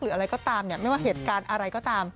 อะไรก็ตามไม่ว่าเหตุการณ์อะไรก็ตาม